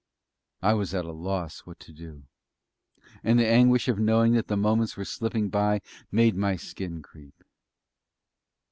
I was at a loss what to do; and the anguish of knowing that the moments were slipping by made my skin creep!